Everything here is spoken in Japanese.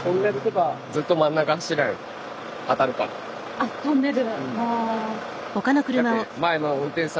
あっトンネル。